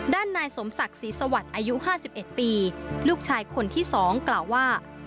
ด้านนายสมศักดิ์ศรีสวัสดิ์อายุ๕๑ปีลูกชายคนที่๒กล่าวว่า